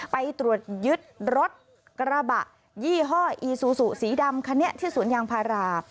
ไปตรวจยึดรถกระบะยี่ห้ออีซูซูสีดำคันนี้ที่สวนยางพารา